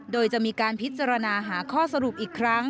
โดยจะมีการพิจารณาหาข้อสรุปอีกครั้ง